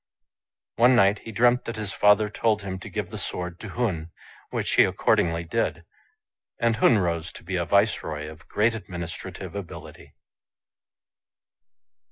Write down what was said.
One night he dreamt that his father told him to give the sword to Hun, which he accordingly did ; and Hun rose to be a Viceroy of great administrative ability.